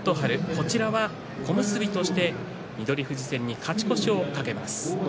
こちらは小結として翠富士戦に勝ち越しを懸けます。